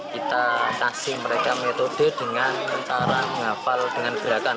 kita kasih mereka metode dengan cara menghafal dengan gerakan